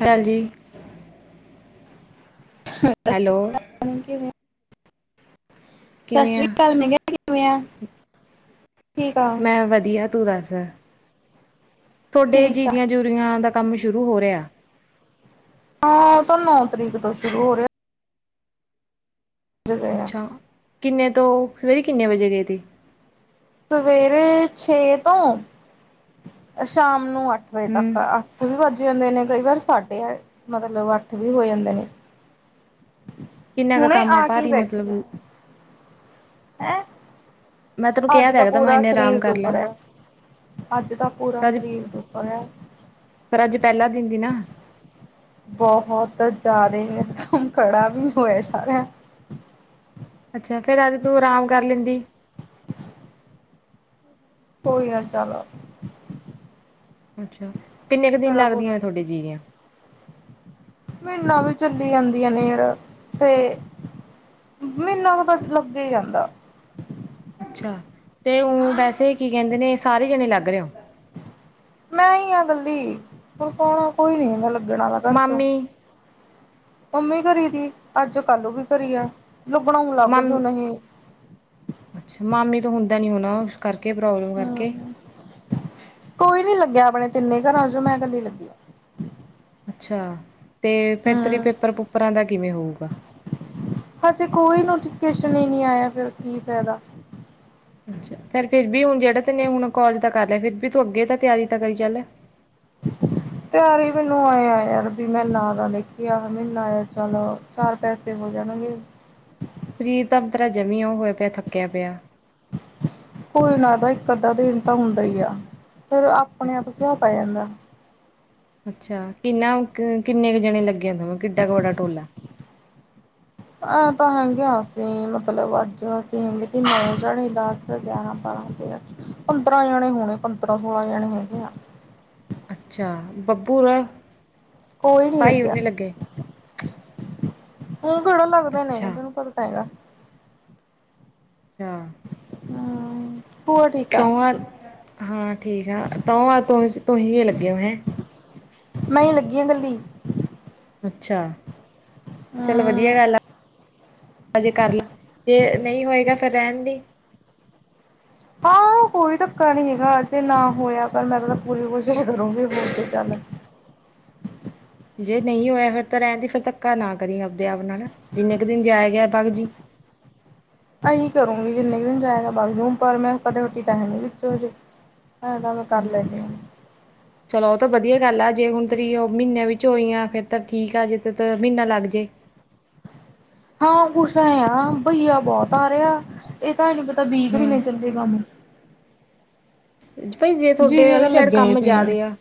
ਹੈਂ ਜੀ। ਹਮ [unintelligible] hello. Ma'am ਕਿਵੇ ਔ? ਕਿਵੇਂ ਆ ਸਾਸ੍ਰੀ ਕਾਲ [unintelligible] ਮੈ ਕਯਾ ਕਿਵੇਂ ਔ? ਮੈਂ ਵਧੀਆ ਤੂੰ ਦੱਸ। ਤੋਡੇ ਠੀਕ ਆ ਜੀਰੀਆਂ -ਜੂਰੀਆਂ ਦਾ ਕੰਮ ਸ਼ੁਰੂ ਹੋ ਰੇ ਆ ਹਾਂ ਔ ਤੇ ਨੌ ਤਰੀਕ ਤੋਂ ਸ਼ੁਰੂ ਹੋ ਰੈ ਆ ਜ [unintelligible] ਅੱਛਾ ਕਿੰਨੇ ਤੋਂ, ਸਵੇਰੇ ਕਿੰਨੇ ਵਜੇ ਗਏ ਥੀ। ਸਵੇਰੇ ਛੇ ਤੋਂ ਸ਼ਾਮ ਨੂੰ ਅੱਠ ਵਜੇ ਹੂੰ ਤੱਕ ਅੱਠ ਵੀ ਵੱਜ ਜਾਂਦੇ ਨੇ ਕਈ ਵਾਰ ਸਾਡੇ ਆ ਮਤਲਬ ਅੱਠ ਵੀ ਹੋ ਜਾਂਦੇ ਨੇ ਕਿੰਨਾ ਕੁ ਹੁਣੇ ਕੰਮ ਆ ਕੇ ਈ ਭਾਰੀ ਮਤਲਬ ਬੈਠੀ ਆ ਹੈਂ। ਮੈਂ ਤੈਨੂੰ ਕਿਹਾ ਅੱਜ ਤਾਂ ਤਾ ਹੈਗਾ ਤਾਂ ਮੈਂ ਪੂਰਾ ਇੰਨੇ ਆਰਾਮ ਸ਼ਰੀਰ ਕਰ ਲਾ ਦੁੱਖਰੇ ਐ, ਅੱਜ ਤਾ ਪੂਰਾ ਪਰ ਅੱਜ ਸ਼ਰੀਰ ਦੁੱਖਰੇੈ ਪਰ ਅੱਜ ਪੈਲਾ ਦਿਨ ਦੀ ਨਾ ਬਹੋਤ ਜਾਦਾ ਤੋ ਮਮ ਖੜਾ ਵੀ ਨੀ ਹੋਇਆ ਜਾ ਰਿਯਾ। ਅੱਛਾ ਫੇਰ ਅੱਜ ਤੂੰ ਆਰਾਮ ਕਰ ਲੈਂਦੀ। ਕੋਈ ਗੱਲ ਚਾਲੋ। ਅੱਛਾ ਕਿੰਨੇ ਦਿਨ ਤੇਰਾ ਲੱਗਦੀਆਂ ਪੂਰਾ ਥੋਡੇ ਜੀਰੀਆਂ। ਮਹੀਨਾ ਵੀ ਚੱਲੀ ਜਾਂਦੀਆਂ ਨੇੇਅ ਤੇ ਮੀਨਾ ਤੇ ਬਸ ਲੱਗੈ ਈ ਰੈਂਦਾ। ਅੱਛਾ ਤੇ ਉਂ ਵੈਸੇ ਕੀ ਕਹਿੰਦੇ ਨੇ ਸਾਰੇ ਜਣੇ ਲੱਗ ਰੇ ਔ ਮੈਂ ਈ ਆ ਗੱਲੀ ਹੁਣ ਕੌਣਾ ਕੋਈ ਨੀ ਮ ਲੱਗਣ ਵਾਲਾ ਘਰ ਚੋਂ ਮਾਮੀ ਮੰਮੀ ਘਰੀ ਥੀ ਅੱਜ ਕੱਲੂ ਵੀ ਘਰੀ ਆ ਲੁੱਗਣਾ ਹੁੰ ਲਗ ਮਾਮ ਜੂ ਨਹੀਂ ਅੱਛਾ ਮਾਮੀ ਤੋਂ ਹੁੰਦਾ ਨੀ ਹੋਣਾ ਉਸ ਕਰਕੇ ਪ੍ਰੋਬਲਮ ਕਰਕੇ ਹੂੰ ਕੋਈ ਨੀ ਲੱਗਾ ਆਪਣੇ ਤਿੰਨੇ ਘਰਾਂ ਚੋਂ ਮੈਂ ਕੱਲੀ ਲੱਗੀ ਆ ਅੱਛਾ ਤੇ ਫੇਰ ਤੇਰੀ ਹੂੰ ਪੇਪਰ ਪੂਪਰਾਂ ਦਾ ਕਿਵੇਂ ਹੋਊਗਾ। ਹਜੇ ਕੋਈ ਨੋਟੀਫਿਕੇਸ਼ਨ ਈ ਨੀ ਆਇਆ ਫੇਰ ਕੀ ਫੈਦਾ ਅਛਾ ਪਰ ਫਿਰ ਵੀ ਹੁਣ ਜਿਹੜਾ ਤੈਨੇ ਹੁਣ ਕੋਜ ਦਾ ਕਰ ਲਿਆ ਫਰ ਵੀ ਤੂੰ ਅੱਗੇ ਤਾਂ ਤਿਆਰੀ ਤਾਂ ਕਰੀ ਚੱਲ [inaudible] ਤਿਆਰ ਹੀ ਮੈਨੂੰ ਆਏਆ ਯਾਰ ਵੀ ਮੈਂ ਨਾ ਲਾ ਦੇਖੀ ਆ ਮੈ ਨਾ ਲਾ ਚਲ, ਚਾਰ ਪੈਸੇ ਹੋ ਜਾਣਗੇ। ਸ਼ਰੀਰ ਤਾਂ ਤੇਰਾ ਜਮੀ ਉਹ ਹੋਇਆ ਪਿਆ ਥੱਕਿਆ ਪਿਆ। ਕੋਈ ਨਾ ਇਹ ਤਾ ਇੱਕ ਅੱਧਾ ਦਿਨ ਤਾਂ ਹੁੰਦਾ ਹੀ ਆ, ਫਿਰ ਆਪਣੇ ਆਪ ਅੱਛਾ ਸੁਬਾਹ ਪੈ ਜਾਂਦਾ, ਅੱਛਾ ਕਿੰਨਾ ਕਿੰਨੇ ਕੁ ਜਣੇ ਲੱਗੇ ਆ ਤੁਹਾਨੂੰ ਕਿੱਡਾ ਕੁ ਵੱਡਾ ਟੋਲਾ, ਐ ਤਾਂ ਹੈਗੇ ਆ ਅਸੀਂ ਮਤਲਬ ਅੱਜ ਅਸੀਂ ਹੈਗੇ ਤੀ ਨੌ ਜਾਣੇ ਦਸ ਗਿਆਰਾਂ ਬਾਰਾਂ ਤੇਰਾਂ ਪੰਦਰਾਂ ਜਣੇ ਹੋਣੇ ਪੰਦਰਾਂ ਸੋਲਾਂ ਜਣੇ ਹੈਗੇ ਆ। ਅੱਛਾ, ਬੱਬੂ ਅ ਕੋਈ ਨੀ ਲੱਗਿਆ। ਉਹ ਕਿਹੜਾ ਲੱਗਦੇ ਨੇ ਅੱਛਾ ਤੈਨੂੰ ਪਤਾ ਤਾ ਹੈਗਾ। ਚਾ, ਹੂੰ ਹੋਰ ਠੀਕ ਤੌ ਆ ਹਾਂ ਠੀਕ ਆ ਤੌ ਆ ਤੁ ਤੁਹੀ ਓ ਲੱਗੇ ਹੋ ਹੈਂ। ਮੈ ਹੀ ਲੱਗੀ ਆ ਕੱਲੀ। ਅੱਛਾ, ਚਲ ਵਧੀਆ ਹੂੰ। ਗੱਲ ਆ। ਅਜੇ ਕਰਲਾ ਜੇ ਨਹੀ ਹੋਏਗਾ ਤਾਂ ਰਹਿਣ ਦੀ। ਹਾਂ ਕੋਈ ਧੱਕਾ ਨਹੀਂ ਹੈਗਾ ਜੇ ਨਾ ਹੋਇਆ ਕਲ ਮੈਂ ਤਾਂ ਪੂਰੀ ਕੋਸ਼ਿਸ਼ ਕਰੂੰਗੀ ਹੋ ਜੇ ਚੱਲ। ਜੇ ਨਹੀਂ ਹੋਇਆ ਫਿਰ ਤਾਂ ਰਹਿਣ ਦੀ ਫਿਰ ਧੱਕਾ ਨਾ ਕਰੀ ਆਪਦੇ ਆਪ ਨਾਲ ਜਿੰਨੇ ਕੁ ਦਿਨ ਜਾਇਆ ਗਿਆ ਬਗ ਜੀ ਅਈ ਕਰੂੰਗੀ ਜਿੰਨੇ ਕੁ ਦਿਨ ਜਾਏਗਾ ਬਗ ਜੁ ਪਰ ਮੈਂ ਕਦੇ ਹਟੀ ਤਾਂ ਹੈ ਨੀ ਵਿੱਚੋ ਜੇ। ਨਾ, ਚਲੋ ਉਹ ਤਾਂ ਵਧੀਆ ਗੱਲ ਆ ਜੇ ਹੁਣ ਤੇਰੀ ਉਹ ਮਹੀਨਿਆਂ ਵਿੱਚ ਹੋਈ ਆ ਫੇਰ ਤਾਂ ਠੀਕ ਆ ਜੇ ਤੇ ਮਹੀਨਾ ਲੱਗ ਜੇ। ਹਾਂ ਕੁਛ ਐ ਆ ਭਈਆ ਬਹੁਤ ਆ ਰਿਹਾ ਇਹ ਤਾਂ ਹੈ ਨੀ ਪਤਾ ਬੀਹ ਕ ਦਿਨ ਹੂੰ ਚਲ ਦੇ ਕੰਮ ਭਈ ਜੇ ਥੋਡੇ ਜੀਰੀਆਂ ਆਲੀ ਤਾਂ ਸਾਈਡ ਲੱਗੀਆਂ ਹੀ ਕੰਮ ਪਈਆਂ ਜ਼ਾਆਦੇ ਆ,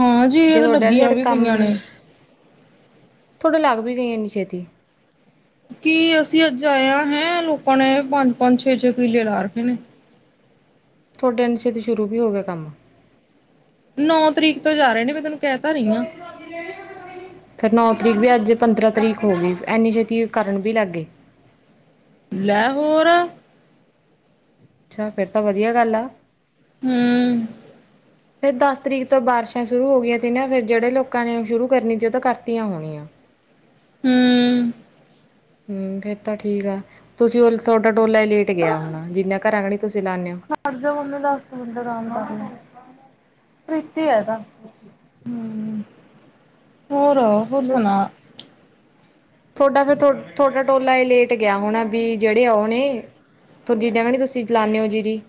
ਹਾਂ ਜੀਰੀਆਂ ਜੇ ਤਾਂ ਤੁਹਾਡੇ ਆਲੀ ਲੱਗੀਆਂ ਸਾਇਡ ਵੀ ਕੰਮ, ਪਈਆਂ ਨੇ। ਥੋਡੇ ਲੱਗ ਵੀ ਗਈ ਇੰਨੀ ਛੇਤੀ, ਕੀ ਅਸੀਂ ਅੱਜ ਆਇਆ ਹੈਂ ਲੋਕਾਂ ਨੇ ਪੰਜ-ਪੰਜ ਛੇ-ਛੇ ਕਿਲੇ ਲਾ ਰੱਖੇ ਨੇ। ਥੋਡੇ ਇੰਨੀ ਛੇਤੀ ਸ਼ੁਰੂ ਵੀ ਹੋ ਗਿਆ ਕੰਮ, ਨੌ ਤਰੀਕ ਤੋਂ ਜਾ ਰਹੇ ਨੇ ਮੈਂ ਤੈਨੂੰ ਕਹਿ ਤਾ ਰਹੀ ਹਾਂ। ਫੇਰ ਨੌ ਤਰੀਕ ਵੀ ਅੱਜ ਪੰਦਰਾਂ ਤਰੀਕ ਹੋ ਗਈ ਇੰਨੀ ਛੇਤੀ ਕਰਨ ਵੀ ਲੱਗ ਗਏ। ਲੈ ਹੋਰ ਅੱਛਾ, ਫੇਰ ਤਾਂ ਵਧੀਆ ਗੱਲ ਆ। ਹੂੰ, ਫੇਰ ਦਸ ਤਰੀਕ ਤੋਂ ਬਾਰਿਸ਼ਾਂ ਸ਼ੁਰੂ ਹੋ ਗਈਆਂ ਸੀ ਨਾ ਫੇਰ ਜਿਹੜੇ ਲੋਕਾਂ ਨੇ ਸ਼ੁਰੂ ਕਰਨੀ ਸੀ ਉਹ ਤਾ ਕਰਤੀਆ ਹੋਣੀਆ। ਹੂੰ। ਹੂੰ, ਫੇਰ ਤਾਂ ਠੀਕ ਆ ਤੁਸੀਂ ਸੋਟਾ ਡੋਲਾ ਹੀ ਲੇਟ ਗਿਆ ਹੋਣਾ ਜਿੰਨਾ ਘਰਾਂ ਕਣੀ ਤੁਸੀਂ ਲਾਣੇ ਹੋ। ਹਟ ਜੋਹੁਣ ਦੱਸ ਮਿੰਟ ਪ੍ਰੀਤੀ ਆ ਇਹ ਤਾਂ, ਹੂੰ, ਹੋਰ ਹੋਰ ਸਣਾ, ਥੋਡਾ ਤੇ ਥੋ ਥੋਡਾ ਟੋਲਾ ਇਹ ਲੇਟ ਗਿਆ ਹੋਣਾ ਵੀ ਜਿਹੜੇ ਉਹ ਨੇ ਥੋ ਜਿਨਾ ਕਣੀ ਤੁਸੀਂ ਲਾਣੇ ਓ ਜੀਰੀ,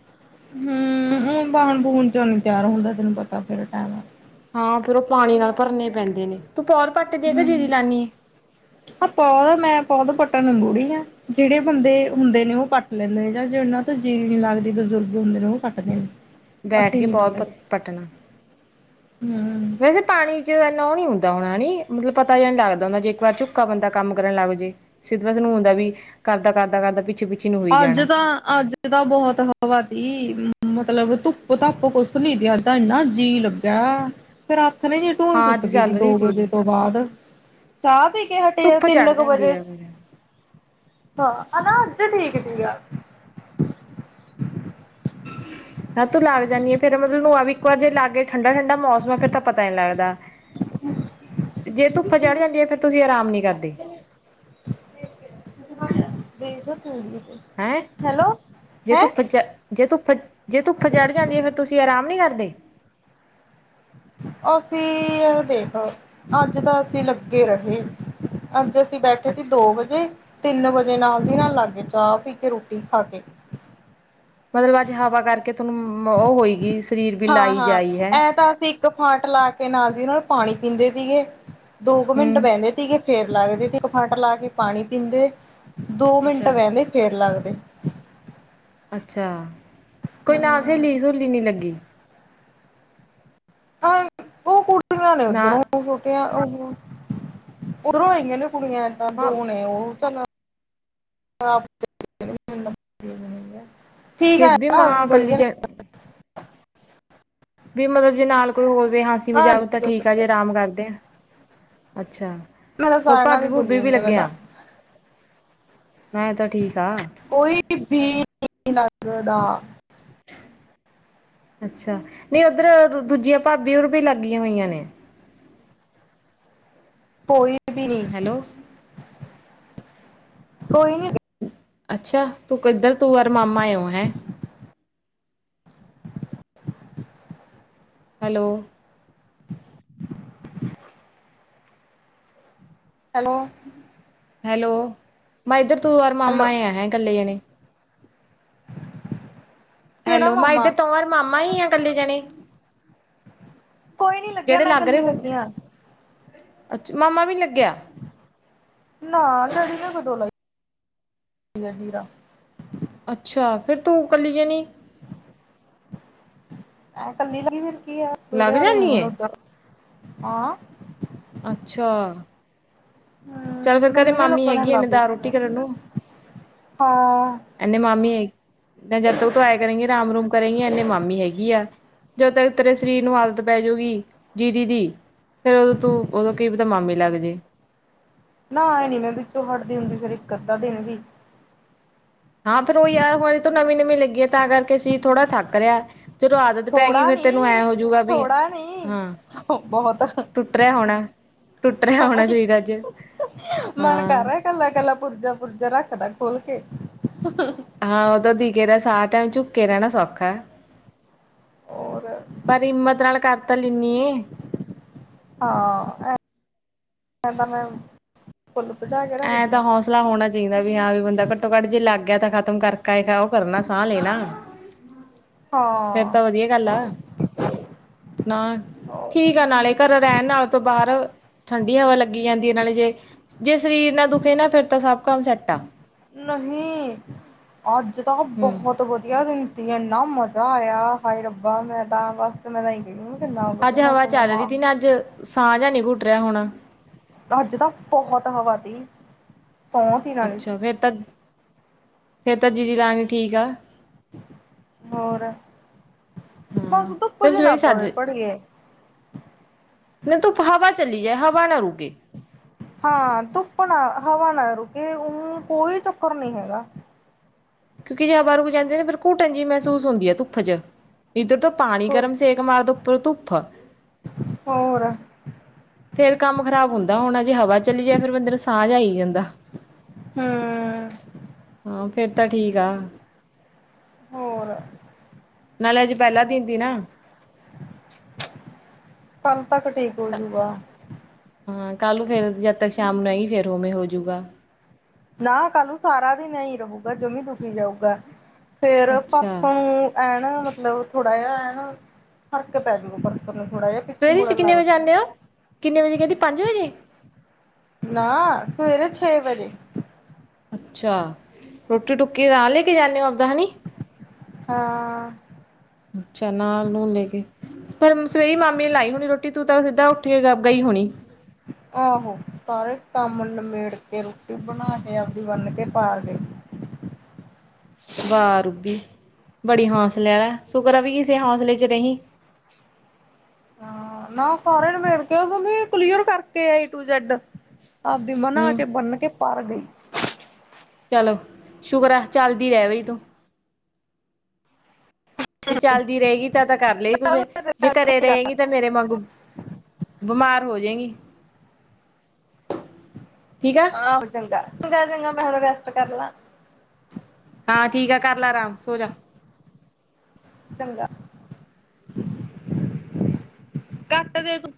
ਹੂੰ, ਹ ਬਾਹਣ ਬੂਣ ਚ ਨੀ ਤਿਆਰ ਹੁੰਦਾ ਤੈਨੂੰ ਪਤਾ ਫੇਰ ਟਾਈਮ ਹਾਂ ਫੇਰ ਉਹ ਪਾਣੀ ਨਾਲ ਭਰਨੇ ਪੈਂਦੇ ਨੇ ਤੂੰ ਭੌਦ ਪੱਟ ਦੇ ਕਿ ਜੀਰੀ ਹੂੰ ਲਾਂਦੀ ਏ, ਆ ਭੌਦ ਮੈਂ ਭੌਦ ਪੱਟਣ ਨੂੰ ਬੂੜੀ ਆ, ਜਿਹੜੇ ਬੰਦੇ ਹੁੰਦੇ ਨੇ ਉਹ ਪੱਟ ਲੈਂਦੇ ਨੇ ਜਾਂ ਜਿਹਨਾਂ ਤੋਂ ਜੀਰੀ ਨਹੀਂ ਲੱਗਦੀ ਬਜ਼ੁਰਗ ਹੁੰਦੇ ਨੇ ਉਹ ਪੱਟਦੇ ਨੇ। ਬੈਠ ਅਸੀਂ ਕੇ ਨੀ ਭੌਦ ਪਟ ਪੱਟਦੇ ਪੱਟਣਾ, ਹੂੰ ਵੈਸੇ ਪਾਣੀ'ਚ ਇੰਨਾ ਉਹ ਨੀ ਹੁੰਦਾ ਹੋਣਾ ਨੀ, ਮਤਲਬ ਪਤਾ ਜਾ ਨੀ ਲੱਗਦਾ, ਜੇ ਇੱਕ ਵਾਰ ਝੁੱਕਾ ਬੰਦਾ ਕੰਮ ਕਰਨ ਲੱਗਜੇ। ਸਿੱਧੇ ਪਾਸੇ ਨੂੰ ਹੁੰਦਾ ਵੀ ਕਰਦਾ-ਕਰਦਾ-ਕਰਦਾ, ਪਿੱਛੇ- ਪਿੱਛੇ ਨੂੰ ਹੋਈ ਅੱਜ ਜਾਣਾ। ਤਾਂ, ਅੱਜ ਤਾਂ ਬਹੁਤ ਹਵਾ ਤੀ, ਮਤਲਬ ਧੁੱਪ, ਧਾਪ ਕੁਸ ਨੀ, ਅੱਜ ਤਾ ਇੰਨਾ ਜੀਅ ਲੱਗ ਕਿਆ, ਫਿਰ ਆਥਣੇ ਜੇ ਢੋਲ ਹਾਂ ਟੁੱਟ ਅੱਜ ਗਈ ਸੀ, ਚੱਲ ਰਹੀ ਦੋ ਤੀ ਵਜੇ ਤੋਂ ਬਾਅਦ। ਚਾਹ ਪੀਕੇ ਹਟੇ ਆਂ, ਧੁੱਪ ਚੜ ਤਿੰਨ ਕ ਜਾਂਦੀ ਵਜੇ। ਆ ਫੇਰ ਹਾਂ, ਹਨਾ, ਅੱਜ ਠੀਕ ਤੀਗਾ। ਮ ਤੂੰ ਲੱਗ ਜਾਂਨੀਆ, ਫ਼ੇਰ ਮਤਲਬ ਨੂੰ ਵੀ ਇੱਕ ਵਾਰ ਜੇ ਲੱਗਗੇ ਠੰਡਾ-ਠੰਡਾ ਮੌਸਮ ਆ, ਫਿਰ ਤਾਂ ਪਤਾ ਨੀ ਲੱਗਦਾ। ਜੇ ਧੁੱਪਾ ਚੜ ਜਾਂਦੀ ਆ, ਫੇਰ ਤੁਸੀਂ ਆਰਾਮ ਨੀ ਕਰਦੀ। ਦੇ [unintelligible] ਹੈਂ? ਜੇ ਧੁੱਪ, ਚ, ਜੇ ਧੁੱਪ, ਜੇ ਧੁੱਪ ਚੜ੍ਹ ਜਾਂਦੀ ਆ, ਫਿਰ ਤੁਸੀਂ ਆਰਾਮ ਨੀ ਕਰਦੇ? ਅਸੀਂ, ਇਹ ਦੇਖ ਅੱਜ ਤਾਂ ਅਸੀਂ ਲੱਗੇ ਰਹੇ। ਅੱਜ ਅਸੀਂ ਬੈਠੇ ਸੀ, ਅੱਛਾ। ਦੋ ਵਜੇ ਤਿੰਨ ਵਜੇ ਨਾਲ ਦੀ ਨਾਲ ਲੱਗਗੇ, ਚਾਹ ਪੀਕੇ, ਰੋਟੀ ਖਾਕੇ। ਮਤਲਬ ਅੱਜ ਹਵਾ ਕਰਕੇ, ਤੁਹਾਨੂੰ ਉਹ ਹੋਏਗੀ ਸਰੀਰ ਵੀ ਲਾਈ ਹਾਂ-ਹਾਂ, ਜਾਈ ਹੈ ਐ ਤਾ ਅਸੀਂ ਕ ਫਾਟ ਲਾਕੇ ਨਾਲ ਦੀ ਨਾਲ ਪਾਣੀ ਪੀਂਦੇ ਤੀਗੇ, ਦੋ ਕੁ ਹੂੰ। ਮਿੰਟ ਬਹਿੰਦੇ ਤੀਗੇ। ਫੇਰ ਲੱਗਦੇ ਤੇ ਕ ਫਾਟ ਲਾਕੇ ਪਾਣੀ ਪੀਂਦੇ, ਦੋ ਮਿੰਟ ਅੱਛਾ ਵਹਿੰਦੇ, ਫੇਰ ਲੱਗਦੇ। ਅੱਛਾ, ਕੋਈ ਨਾਲ ਸਹੇਲੀ-ਸ੍ਹੁਲੀ ਨਹੀਂ ਲੱਗੀ। ਆ, ਉਹ ਕੁੜੀਆਂ ਨੇ ਨਾ ਉੱਧਰੋਂ ਉਧਰੋਂ, ਓਹੋ, ਉਧਰੋਂ ਇੰਨੀਆ-ਇੰਨੀਆ ਕੁੜੀਆਂ ਏਦਾਂ ਮ ਦੋ ਨੇ ਉਹ ਚੱਲ [unintelligible] ਠੀਕ ਫਿਰ ਆ, ਵੀ ਹਾ ਮਾਂ ਕੱਲੀ ਵਧੀਆ। ਚ ਵੀ ਮਤਲਬ ਜੇ ਨਾਲ ਕੋਈ ਹੋਰ ਵੀ ਹਾਂ ਅਸੀ ਮ ਆ ਜਾਵੇ, ਨੀ ਤਾਂ ਕੋਈ ਠੀਕ ਆਜੇ ਚੱਕਰ ਆਰਾਮ ਕਰਦੇ ਆ, ਅੱਛਾ। ਮੇਰਾ ਹੋਰ ਸਾਰਿਆਂ ਨਾਲ ਹੀ ਭਾਬੀ-ਭੁਭੀ ਵੀ ਬੁਲਿੰਗ ਹੈ ਮੈਂ ਲੱਗੇ ਤਾਂ ਆਂ, ਮੈਂ ਤਾਂ ਠੀਕ ਆ। ਕੋਈ ਵੀ ਨਹੀਂ ਲੱਗਦਾ। ਅੱਛਾ, ਨਹੀਂ ਉੱਧਰ ਦੂਜੀਆਂ ਭਾਬੀ ਓਰ ਵੀ ਲਾਗੀਆਂ ਹੋਈਆਂ ਨੇ। ਕੋਈ ਵੀ ਨੀ, ਹੈਲੋ ਕੋਈ ਨੀ। [inaudible] ਹੈਲੋ। ਹੈਲੋ। ਹੈਲੋ [inaudible] ਕਿਹੜਾ ਹੈਲੋ ਮੈਂ ਮਾਮਾ ਇੱਧਰ ਤੋਂੋ ਵਾਰ ਮਾਮਾ ਹੀ ਆ ਇਕੱਲੇ ਜਾਣੇ। [inaudible] ਕੋਈ ਨੀ ਲੱਗਿਆ ਜਿਹੜੇ ਮੈਂ ਲੱਗ ਰਹੇ ਕੱਲੀ ਉਹ ਲੱਗੀ ਆ ਅੱਛਾ ਮਾਮਾ ਵੀ ਨੀ ਲੱਗਿਆ। [inaudible] ਨਾ ਲੜੀ ਮ ਕ ਦੋਂ ਲਾਈ। [inaudible] ਅੱਛਾ, ਫਿਰ ਤੂੰ ਕੱਲੀ ਜਣੀ? ਆ ਕੱਲਕੜਲੇਟ ਲੱਗ ਜਾਂਦੀ ਏ ਆਾਂ। [inaudible] ਅੱਛਾ। ਚੱਲ ਹਮ ਫੇਰ ਘਰੇ ਮੰਮੀ ਨੇ ਮਾਮੀ ਲੱਗਣਾ ਹੈਗੀ, ਇਹਨੇ ਲੱਗ ਦਾਲ-ਰੋਟੀ ਗਏ ਕਰਨ ਨੂੰ। ਹਾਂ ਇਹਨੇ ਮਾਮੀ ਹੈ ਜਦ ਤ ਤੋਂ ਆਇਆ ਕਰੇਗੀ ਆਰਾਮ ਰੂਮ ਕਰੇਗੀ ਇਨੇ ਮਾਮੀ ਹੈਗੀ ਆ। [inaudible] ਜਦੋਂ ਤੱਕ ਤੇਰੇ ਸਰੀਰ ਨੂੰ ਆਦਤ ਪੈਜੁਗੀ, ਜੀਦੀ ਦੀ। ਫੇਰ ਉਦੋਂ ਤੂ, ਓਦੋਂ ਕੀ ਪਤਾ ਮਾਮੀ ਲੱਗ ਜੇ। ਨਾ ਐ ਨੀ ''ਮੈਂ ਵਿੱਚੋਂ ਹਟਦੀ ਹੁੰਦੀ, ਫੇਰ ਇੱਕ-ਅੱਧਾ ਦਿਨ ਵੀ। ਹਾਂ ਫੇਰ ਉਹ ਯਾਰ ਹੋਲੀ ਤ ਨਵੀਂ-ਨਵੀਂ ਲੱਗੀ ਹੈ ਤਾਂ ਕਰਕੇ ਸੀ ਥੋੜ੍ਹਾ ਥੱਕ ਰਿਹਾ। ਚਲੋ ਆਦਤ ਪੈ ਗਈ ਥੋੜਾ ਫੇਿਰ ਤੈਨੂੰ ਐਂ ਨੀ ਹੋਜੂਗਾ ਵੀ ਥੋੜਾ ਨੀ ਹਾਂ ਬਹੁਤ ਟੁੱਟ ਰਿਹਾ ਹੋਣਾ। ਟੁੱਟ ਰਿਹਾ ਸਮਾਂ ਹੋਣਾ ਹੀ ਚਾਹੀਦਾ ਅੱਜ ਮਨ ਹਾਂ। ਕਰ ਰਿਹਾ ਕੱਲਾ ਕੱਲਾ ਪੁਰਜਾ ਪੁਰਜਾ ਰੱਖਦਾ ਖੋਲ ਕੇ। ਹਾਂ ਉਹਦਾ ਦੀਗੇ ਦਾ ਸਾਹਟ ਝੁੱਕ ਕੇ ਰਹਿਣਾ ਸੌਖਾ। ਹੋਰ ਪਰ ਹਿੰਮਤ ਨਾਲ ਕਰਤਾ ਲੈਂਨੀ ਆ। ਹਾ ਇਹ ਇਹਤਾਂ ਮੈ ਖੁਦ ਭਜਾਏ ਐਂ ਤਾਂ ਹੋਸ ਮਸਲਾ ਹੋਣਾ ਚਾਹੀਦਾ ਵੀ ਹਾਂ ਵੀ ਬੰਦਾ ਘੱਟੋ ਘੱਟ ਜੇ ਲੱਗ ਗਿਆ ਤਾਂ ਖਤਮ ਕਰਕੇ ਉਹ ਕਰਨਾ ਸਾਹ ਲੈਣਾ। ਫਿਰ ਹਾਂ ਤਾਂ ਵਧੀਆ ਗੱਲ ਆ ਨਾ। ਠੀਕ ਆ ਨਾਲੇ ਘਰ ਰਹਿਣ ਨਾਲੇ ਤੋਂ ਬਾਹਰ ਠੰਡੀ ਹਵਾ ਲੱਗੀ ਜਾਂਦੀ ਹੈ ਨਾਲੇ ਜੇ ਜੇ ਸਰੀਰ ਨਾ ਦੁਖੇ ਨਾ ਫਿਰ ਤਾਂ ਸਭ ਕੰਮ ਸੈੱਟਾ ਆ ਨਹੀਂ ਅੱਜ ਤਾਂ ਹੂੰ ਬਹੁਤ ਵਧੀਆ ਦਿਨ ਜ ਇੰਨਾ ਮਜ਼ਾ ਆਇਆ ਖਾਈ ਰੱਬਾ ਮੈਂ ਤਾਂ ਬਸ ਤੇ ਮੈਂ ਤਾਂ ਕਹ ਕਿੰਨਾ ਵਧੀਆ ਮੌਸਮ ਵਾਂ ਅਜ ਸਾਹ ਜਿਆ ਨਹੀਂ ਘੁੱਟ ਰਿਹਾ ਹੁਣਾ ਅੱਜ ਤਾਂ ਬਹੁਤ ਹਵਾ ਦੀ। ਅੱਛਾ ਫਿਰ ਤਾਂ ਫੇਰ ਤਾਂ ਜੀਜੀ ਰਾਣੀ ਠੀਕ ਆ। ਹੋਰ ਬਸ ਹਾਂ ਤੂੰ ਕੁਛ ਫਿਰ ਨਾ ਸਵੇਰੇ ਪੜ ਸੱਜ ਪੜ੍ਹਿਐ। ਨਾ ਧੁੱਪ ਹਵਾ ਚਲੀ ਜਾਏ ਹਵਾ ਨਾ ਰੁਕੇ। ਹਾਂ ਧੁੱਪ ਨਾ ਹਵਾ ਨਾ ਰੁਕੇ ਉਹਨੂੰ ਕੋਈ ਚੱਕਰ ਨਹੀਂ ਹੈਗਾ। ਕਿਉਂਕਿ ਜ ਬਰੂ ਜਾਂਦੇ ਨੇ ਨਾ ਫੇਰ ਘੂਟਣ ਜਿਹੀ ਮਹਿਸੂਸ ਹੁੰਦੀ ਹੈ ਧੁੱਪ ਚ। ਇੱਧਰ ਤੋਂ ਪਾਣੀ ਗਰਮ ਸੇਕ ਮਾਰਦਾ ਉਪਰੋਂ ਧੁੱਪ। ਹੋਰ। ਫੇਰ ਕੰਮ ਖਰਾਬ ਹੁੰਦਾ ਹੋਣਾ ਜੇ ਹਵਾ ਚਲੀ ਜਾਏ ਫੇਿਰ ਅੰਦਰ ਸਾਂਝ ਆਈ ਜਾਂਦਾ। ਹੂੰ ਹਾਂ ਫਿਰ ਤਾਂ ਠੀਕ ਆ। ਹੋਰ। ਨਾਲੇ ਅੱਜ ਪਹਿਲਾਂ ਦਿਨ ਤਿ ਨਾ। ਕੱਲ ਤੱਕ ਠੀਕ ਹੋਜੂਗਾ। ਹਾਂ ਕੱਲ ਫੇਰ ਜਦ ਤੱਕ ਸ਼ਾਮ ਨੂੰ ਆਈਂ ਫੇਰ ਉਵੇਂ ਹੋਜੂਗਾ। ਨਾ ਕੱਲ ਨੂੰ ਸਾਰਾ ਦਿਨ ਏਹੀ ਰਹੁਗਾ ਜੋਮੀ ਦੁਖੀ ਜਾਊਗਾ ਫੇਰ ਅੱਛਾ ਪਰਸੋਂ ਐਨ ਮਤਲਬ ਥੋੜਾ ਜਿਹਾ ਐ ਨਾ ਫ਼ਰਕ ਪੈ ਜੂਗਾ ਪਰਸੋਂ ਨੂੰ ਥੋੜਾ ਜਿਹਾ। ਪਿੱਛੇ ਸਵੇਰੇ ਤੁਸੀਂ ਮੁੜਨ ਕਿਨੇ ਲੱਗ ਵਜੇ ਆਦੇ ਹੋ ਜੂਗੀ ਕਿੰਨੇ ਵਜੇ ਕਹਿੰਦੀ ਪੰਜ ਵਜੇ। ਨਾ ਸਵੇਰੇ ਛੇ ਵਜੇ। ਅੱਛਾ ਰੋਟੀ ਟੁਕੀ ਨਾਲ ਲੈ ਕੇ ਜਾਂਦੇ ਉਦਾ ਹਨੀ। ਹਾਂ। ਅਛਾ ਨਾਲ ਨੂੰ ਲੈ ਕੇ। ਫਿਰ ਸਵੇਰੀ ਮਾਮੀ ਲਾਈ ਹੋਣੀ ਰੋਟੀ ਤੂੰ ਤਾਂ ਸਿੱਧਾ ਉੱਠ ਕੇ ਗਈ ਹੋਣੀ। ਆਹੋ ਸਾਰੇ ਕੰਮ ਨਮੇੜ ਕੇ ਰੋਟੀ ਬਣਾ ਕੇ ਆਪਦੀ ਵੰਨ ਕੇ ਪਾ ਗਏ। ਵਾਹ ਰੂਬੀ ਬੜੀ ਹੌਸਲਿਆਂ ਵ ਸੁਕਰ ਵੀ ਇਸੇ ਹੌਸਲੇ ਚ ਰਹੀ। ਹ ਨਾ ਸਾਰਿਆਂ ਨੂੰ ਨਿਬੇੜ ਕੇ ਦ ਵੀ ਕਲੀਅਰ ਕਰਕੇ ਆਈ ਏ ਟੂ ਜੈਡ। ਆਪਦੀ ਮਨਾ ਹੂੰ ਕੇ ਬੰਨ ਕੇ ਪਰ ਗਈ। ਚਲੋ ਸ਼ੁਕਰ ਆ ਚੱਲਦੀ ਰਹਿ ਬਈ ਤੂੰ। ਜੇ ਚੱਲਦੀ ਰਹੇਗੀ ਤਾਂ- ਤਾਂ ਕਰ ਲਈ ਕੁੱਝ ਜੇ ਘਰੇ ਰਹੇਗੀ ਤਾਂ ਮੇਰੇ ਵਾਂਗੂ ਬਿਮਾਰ ਹੋ ਜਾਏਗੀ। ਠੀਕ ਆ ਆਹ ਹੋ ਚੰਗਾ, ਚੰਗਾ ਵੇ ਚੰਗਾ ਮੈਂ ਹੁੰਨੇ ਰੈਸਟ ਕਰਲਾ। ਹਾਂ ਠੀਕ ਆ ਕਰ ਲਾ ਆਰਾਮ, ਸੋ ਜਾ। ਚੰਗਾ, ਘੱਟ ਦੇਖ।